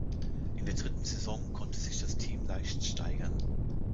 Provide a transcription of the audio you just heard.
In der dritten Saison konnte sich das Team leicht steigern.